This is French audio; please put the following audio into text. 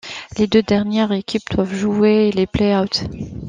Les deux dernières équipes doivent jouer les play-out.